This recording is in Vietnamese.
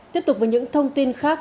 tiếp tục với những thông tin khác